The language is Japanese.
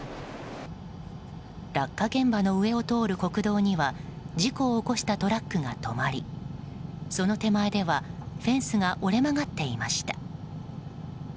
落下現場の上を通る国道には事故を起こしたトラックが止まりその手前ではフェンスが折れ曲がっていました。